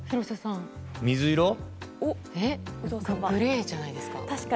グレーじゃないですか？